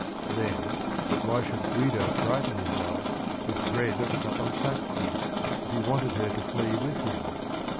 Then, why should Guido frighten his wife with dread of Caponsacchi, if he wanted her to flee with him?